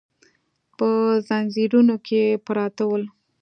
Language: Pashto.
په ځنځیرونو کې پراته ول.